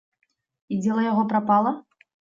І дзела яго прапала?